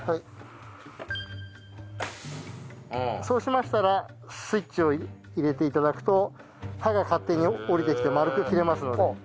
そうしましたらスイッチを入れて頂くと刃が勝手に下りてきて丸く切れますので。